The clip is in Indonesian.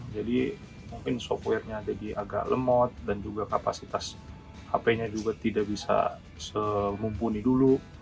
jadi mungkin softwarenya jadi agak lemot dan juga kapasitas hpnya juga tidak bisa semumpuni dulu